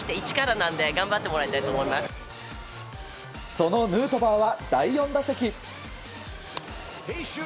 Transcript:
そのヌートバーは第４打席。